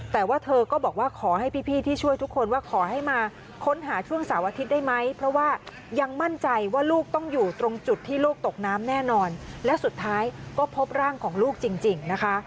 แต่ว่าเธอก็บอกว่าขอให้พี่ที่ช่วยทุกคนว่าขอให้มาค้นหาช่วงเสาร์อาทิตย์ได้ไหมเพราะว่ายังมั่นใจว่าลูกต้องอยู่ตรงจุดที่ลูกตกน้ำแน่นอนและสุดท้ายก็พบร่างของลูกจริงนะคะ